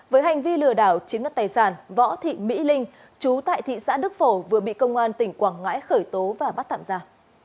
với hành vi lừa đảo chiếm đất tài sản võ thị mỹ linh chú tại thị xã đức phổ vừa bị công an tỉnh quảng ngãi khởi tố và bắt tạm ra